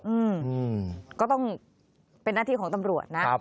อืมก็ต้องเป็นหน้าที่ของตำรวจนะ